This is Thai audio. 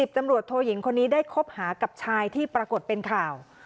ตำรวจโทยิงคนนี้ได้คบหากับชายที่ปรากฏเป็นข่าว